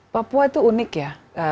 papua itu unik ya